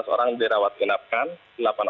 sebelas orang dirawat inapkan